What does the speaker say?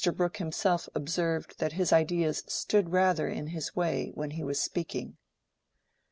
Brooke himself observed that his ideas stood rather in his way when he was speaking.